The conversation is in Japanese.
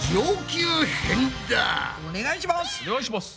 お願いします！